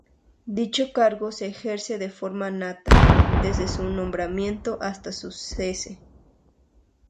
Dicho cargo se ejerce de forma nata, desde su nombramiento hasta su cese.